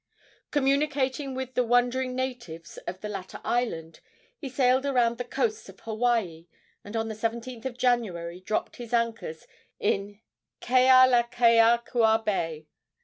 Communicating with the wondering natives of the latter island, he sailed around the coasts of Hawaii, and on the 17th of January dropped his anchors in Kealakeakua Bay.